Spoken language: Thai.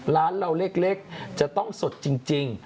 ร้านเราเล็กจะต้องสดจริง